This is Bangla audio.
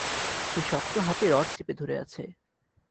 সে শক্ত হাতে রড চেপে ধরে আছে।